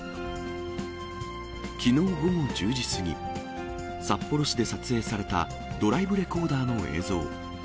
きのう午後１０時過ぎ、札幌市で撮影されたドライブレコーダーの映像。